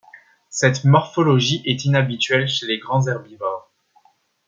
Cette morphologie est inhabituelle chez les grands herbivores.